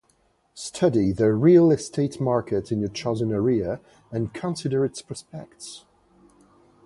Study the real estate market in your chosen area and consider its prospects.